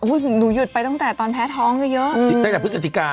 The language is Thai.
หนูหยุดไปตั้งแต่ตอนแพ้ท้องเยอะตั้งแต่พฤศจิกา